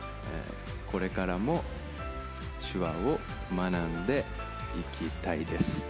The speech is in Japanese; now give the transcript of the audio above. これからも手話を学んでいきたいです。